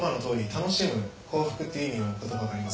「楽しむ」「幸福」っていう意味の言葉があります。